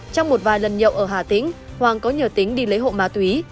trong một vài lần nhậu ở hà tĩnh hoàng có nhờ tính đi lấy hộ ma túy